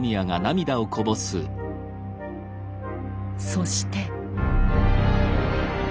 そして。